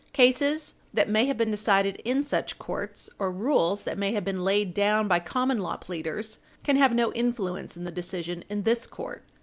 Cases that may have been decided in such courts, or rules that may have been laid down by common law pleaders, can have no influence in the decision in this court.